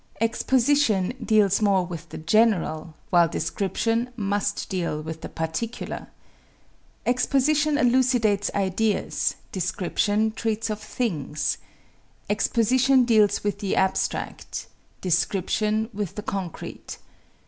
Exposition deals more with the general, while description must deal with the particular. Exposition elucidates ideas, description treats of things. Exposition deals with the abstract, description with the concrete.